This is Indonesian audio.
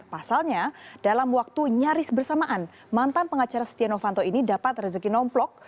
pasalnya dalam waktu nyaris bersamaan mantan pengacara setia novanto ini dapat rezeki nomplok